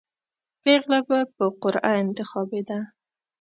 پېغله به په قرعه انتخابېده.